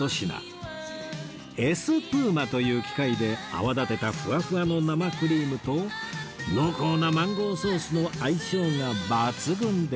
エスプーマという機械で泡立てたふわふわの生クリームと濃厚なマンゴーソースの相性が抜群です